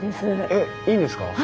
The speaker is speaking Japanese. えっいいんですか？